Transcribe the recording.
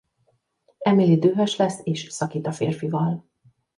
Emily dühös lesz és szakít a férfival.